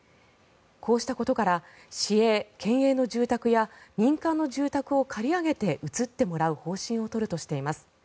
こうしたことから市営・県営の住宅や民間の住宅を借り上げて移ってもらう方針を取るとしています。